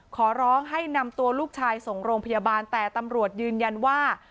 ขอร้องให้นำตัวลูกชายส่งโรงพยาบาลแต่ตำรวจยืนยันว่า